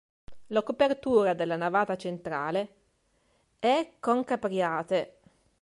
La copertura della navata centrale è con capriate.